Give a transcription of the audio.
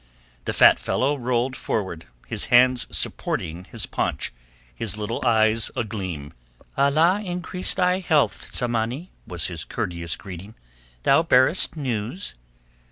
The fat fellow rolled forward, his hands supporting his paunch, his little eyes agleam. "Allah increase thy health, Tsamanni," was his courteous greeting. "Thou bearest news?"